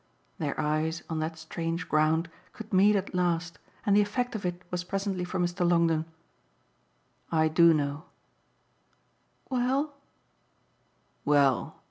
Their eyes, on that strange ground, could meet at last, and the effect of it was presently for Mr. Longdon. "I do know." "Well?" "Well!"